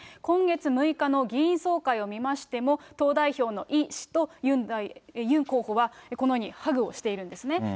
今月６日の議員総会を見ましても、党代表のイ氏とユン候補は、このようにハグをしているんですね。